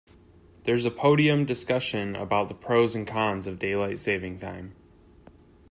There's a podium discussion about the pros and cons of daylight saving time.